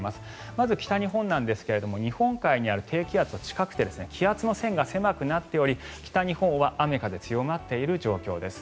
まず北日本ですが日本海にある低気圧が近くて気圧の線が狭くなっており北日本は雨、風強まっている状況です。